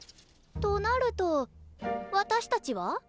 となると私たちは？